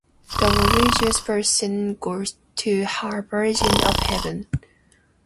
The religious person goes to her version of heaven.